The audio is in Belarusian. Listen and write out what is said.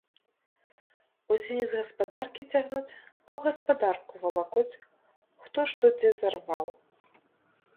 Усе не з гаспадаркі цягнуць, а ў гаспадарку валакуць хто што дзе зарваў.